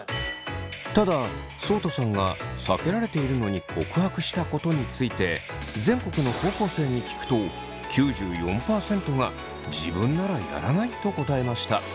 ただそうたさんが避けられているのに告白したことについて全国の高校生に聞くと９４％が自分ならやらないと答えました。